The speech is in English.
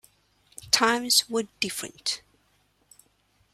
Times were different.